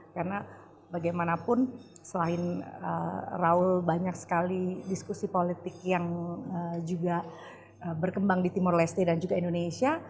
karena bagaimanapun selain raul banyak sekali diskusi politik yang juga berkembang di timur leste dan juga indonesia